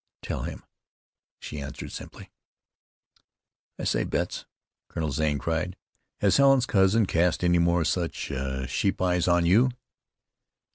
"Tell him," she answered simply. "I say, Betts," Colonel Zane cried, "has Helen's cousin cast any more such sheep eyes at you?"